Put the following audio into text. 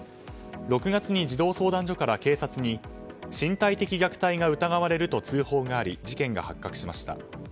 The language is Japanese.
６月に児童相談所から警察に身体的虐待が疑われると通報があり事件が発覚しました。